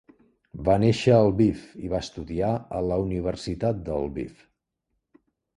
Va néixer a Lviv i va estudiar a la Universitat de Lviv.